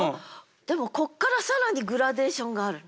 でもここからさらにグラデーションがあるの。